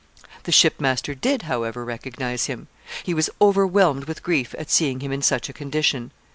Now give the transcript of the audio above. The shipmaster did, however, recognize him. He was overwhelmed with grief at seeing him in such a condition.